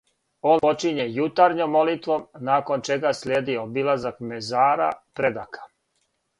Он почиње јутарњом молитвом, након чега слиједи обилазак мезара предака.